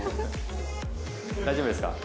大丈夫ですか？